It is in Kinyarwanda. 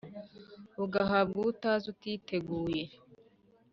ugahabwa uwo utazi utiteguye